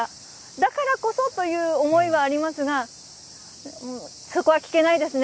だからこそという思いはありますが、そこは聞けないですね。